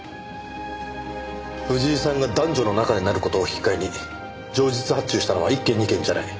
藤井さんが男女の仲になる事を引き換えに情実発注したのは１件２件じゃない。